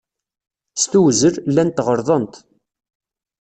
S tewzel, llant ɣelḍent.